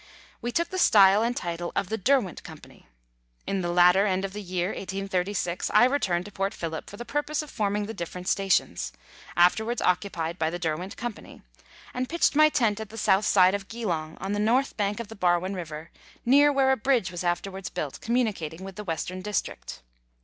We took the style and title of the "Derwent Company." In the latter end of the year 1836 I returned to Port Phillip for the purpose of forming the different stations, 16 Letters from Victorian Pioneers. afterwards occupied by the Derweiit Co., and pitched my tent at the south side of Geelong, on the north bank of the Barwon River, near where a bridge was afterwards built communicating with the Western District.